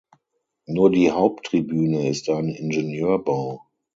Nur die Haupttribüne ist ein Ingenieurbau.